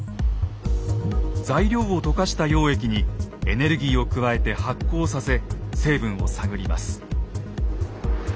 材料を溶かした溶液にエネルギーを加えて発光させ成分を探ります。